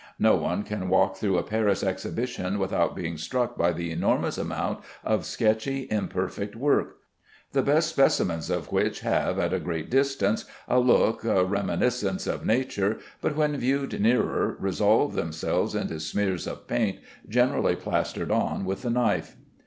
No one can walk through a Paris exhibition without being struck by the enormous amount of sketchy, imperfect work; the best specimens of which have, at a great distance, a look, a reminiscence of nature, but when viewed nearer, resolve themselves into smears of paint, generally plastered on with the knife.